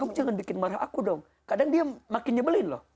kamu jangan bikin marah aku dong kadang dia makin nyebelin loh